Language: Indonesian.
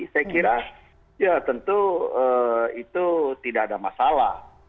saya kira ya tentu itu tidak ada masalah